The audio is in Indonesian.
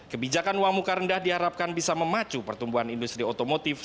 kebijakan uang muka rendah diharapkan bisa memacu pertumbuhan industri otomotif